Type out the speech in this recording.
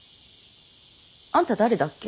あんた誰だっけ。